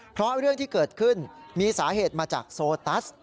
เพราะเรื่องที่เกิดขึ้นมีสาเหตุมาจากโซตัส